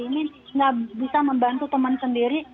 ini nggak bisa membantu teman sendiri